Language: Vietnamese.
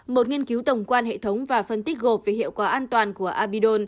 một nghiên cứu tổng quan hệ thống và phân tích gộp về hiệu quả an toàn của abidon